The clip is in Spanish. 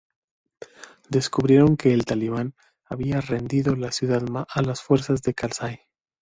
Descubrieron que el Talibán había rendido la ciudad a las fuerzas de Karzai.